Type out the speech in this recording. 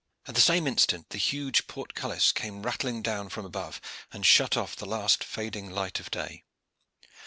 At the same instant the huge portcullis came rattling down from above, and shut off the last fading light of day.